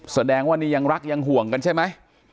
แสดงว่านี่ยังรักยังห่วงกันใช่ไหม